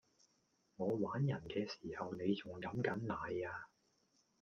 我玩人既時候你仲飲緊奶呀